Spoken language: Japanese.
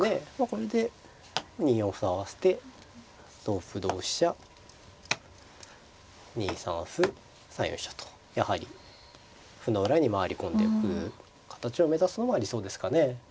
これで２四歩を合わせて同歩同飛車２三歩３四飛車とやはり歩の裏に回り込んでく形を目指すのが理想ですかね。